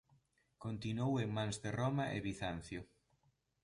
Continuou en mans de Roma e Bizancio.